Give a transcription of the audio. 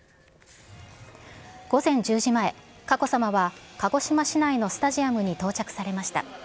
午前１０時前、佳子さまは、鹿児島市内のスタジアムに到着されました。